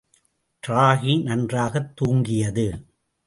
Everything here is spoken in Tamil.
ராகி நன்றாகத் தூங்கியது.